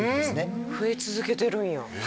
増え続けてるんや。